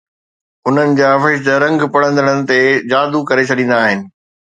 انهن جا وشد رنگ پڙهندڙ تي جادو ڪري ڇڏيندا آهن